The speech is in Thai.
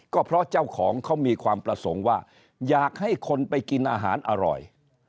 ก็เพราะเจ้าของเขามีความประสงค์ว่าอยากให้คนไปกินอาหารอร่อย